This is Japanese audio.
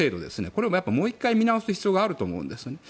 これをもう１回見直す必要があると思うんです。